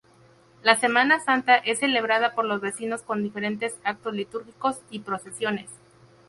La Semana Santa es celebrada por los vecinos con diferentes actos litúrgicos y procesiones.